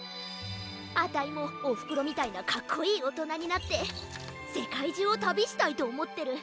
あたいもおふくろみたいなかっこいいおとなになってせかいじゅうをたびしたいとおもってる。